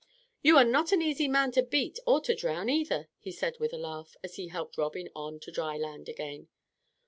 "You are not an easy man to beat or to drown either," he said with a laugh, as he helped Robin on to dry land again.